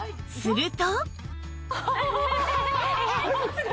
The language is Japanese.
すると